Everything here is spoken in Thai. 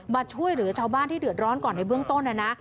มาช่วยเหลือชาวบ้านที่เดือดร้อนก่อนในเบื้องต้นนะนะ